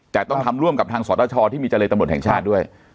แต่ต้องทำร่วมกับทางสตชที่มีเจรตำรวจแห่งชาติด้วย